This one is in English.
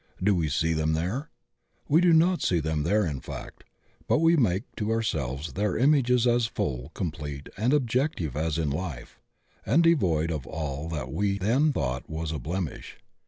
do we see them there? We do not see them there in fact, but we make to ourselves their images as full, complete and objective as in life, and devoid of all that we then thought was a blemish.